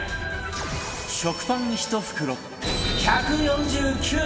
食パン１袋、１４９円！